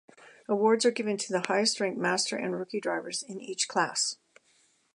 Awards are given to the highest ranked Master and Rookie drivers in each class.